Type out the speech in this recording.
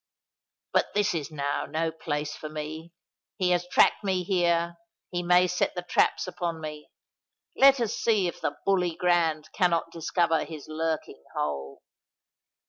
But this is now no place for me: he has tracked me here—he may set the traps upon me. Let us see if the Bully Grand cannot discover his lurking hole."